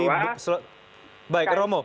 jadi kita yudin kerja di bawah